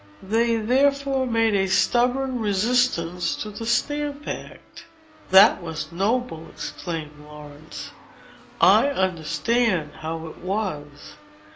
They therefore made a most stubborn resistance to the Stamp Act." "That was noble!" exclaimed Laurence. "I understand how it was.